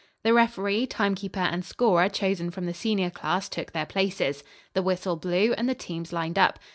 The referee, time keeper and scorer chosen from the senior class took their places. The whistle blew and the teams lined up.